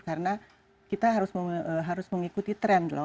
karena kita harus mengikuti tren loh